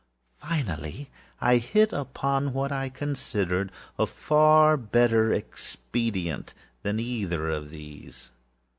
Finally I hit upon what I considered a far better expedient than either of these.